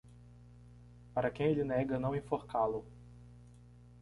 Para quem ele nega não enforcá-lo.